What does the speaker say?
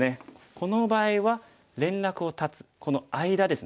この場合は連絡を断つこの間ですね。